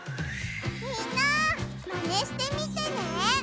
みんなマネしてみてね！